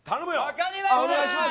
分かりました。